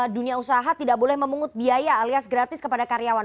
dunia usaha tidak boleh memungut biaya alias gratis kepada karyawan